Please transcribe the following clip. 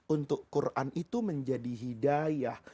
untuk quran itu menjadi hidayah